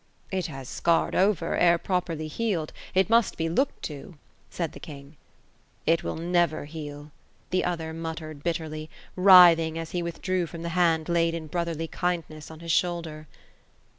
" It has scarred over, ere properly healed. It must be looked to ;" said the king. " It will never heal ;" the other muttered, bitterly ; writhing, as he withdrew from the hand laid in brotherly kindness on his shoulder.